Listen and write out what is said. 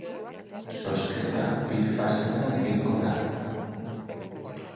Zozketa bi fasetan egingo da.